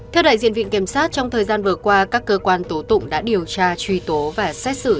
theo đại diện viện kiểm sát trong thời gian vừa qua các cơ quan tố tụng đã điều tra truy tố và xét xử